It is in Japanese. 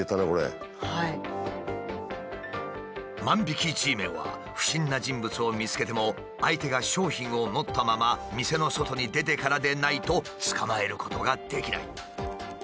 万引きＧメンは不審な人物を見つけても相手が商品を持ったまま店の外に出てからでないと捕まえることができない。